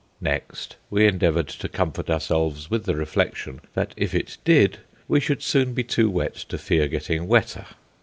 Next, we endeavoured to comfort ourselves with the reflection that if it did we should soon be too wet to fear getting wetter.